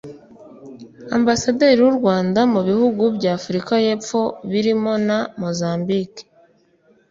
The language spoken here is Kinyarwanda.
Ambasaderi w’u Rwanda mu bihugu bya Afurika y’Amajyepfo birimo na Mozambique